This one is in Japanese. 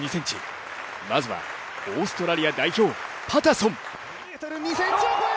まずはオーストラリア代表パタソン。